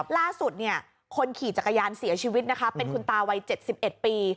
ล่าสุดคนขี่จักรยานเสียชีวิตนะคะเป็นคุณตาวัย๗๑ปี